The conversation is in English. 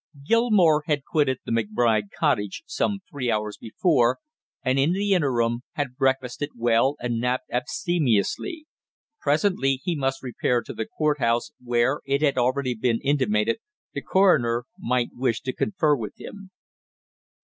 Gilmore had quitted the McBride cottage some three hours before, and in the interim had breakfasted well and napped abstemiously. Presently he must repair to the court house, where, it had already been intimated, the coroner might wish to confer with him.